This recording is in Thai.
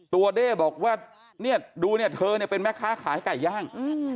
เด้บอกว่าเนี่ยดูเนี่ยเธอเนี่ยเป็นแม่ค้าขายไก่ย่าง